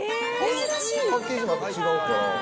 パッケージが違うから。